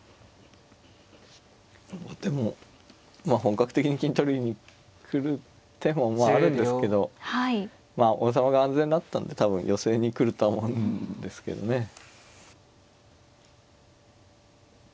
後手もまあ本格的に金取りに来る手もまああるんですけどまあ王様が安全になったんで多分寄せに来るとは思うんですけどね。